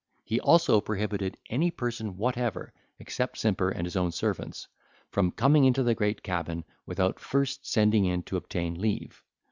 He also prohibited any person whatever, except Simper and his own servants, from coming into the great cabin without first sending in to obtain leave.